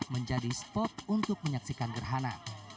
menjadi spot untuk menyaksikan gerhana